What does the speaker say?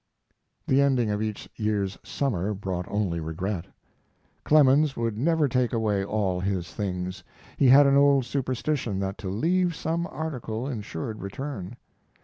The ending of each year's summer brought only regret. Clemens would never take away all his things. He had an old superstition that to leave some article insured return.